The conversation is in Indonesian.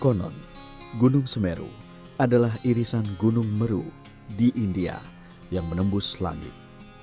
konon gunung semeru adalah irisan gunung meru di india yang menembus langit